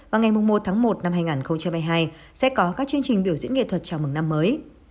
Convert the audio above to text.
và ngày một tháng một năm hai nghìn hai mươi hai sẽ có các chương trình biểu diễn nghệ thuật chào mừng năm mới